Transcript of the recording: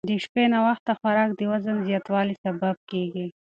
د شپې ناوخته خوراک د وزن زیاتوالي سبب کېږي.